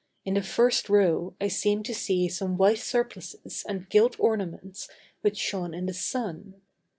In the first row I seemed to see some white surplices and gilt ornaments which shone in the sun.